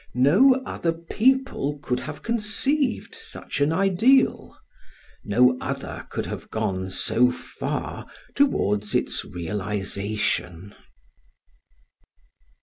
No other people could have conceived such an ideal; no other could have gone so far towards its realisation.